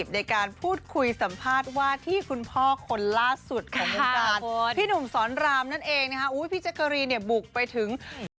ในการพูดคุยสัมภาษณ์ว่าที่คุณพ่อคนล่าสุดค่ะพี่หนุ่มสอนรามนั่นเองนะครับพี่จักรีเนี่ยบุกไปถึง